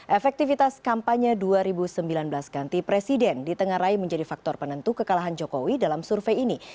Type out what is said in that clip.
efektivitas kampanye dua ribu sembilan belas ganti presiden ditengarai menjadi faktor penentu kekalahan jokowi dalam survei ini